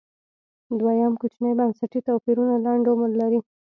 دویم کوچني بنسټي توپیرونه لنډ عمر لري